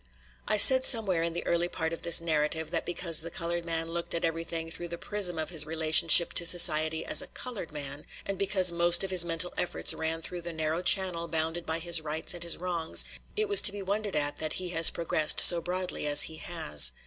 I said somewhere in the early part of this narrative that because the colored man looked at everything through the prism of his relationship to society as a colored man, and because most of his mental efforts ran through the narrow channel bounded by his rights and his wrongs, it was to be wondered at that he has progressed so broadly as he has.